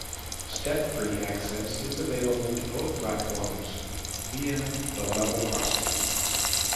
Step-free access is available to both platforms via the level crossing.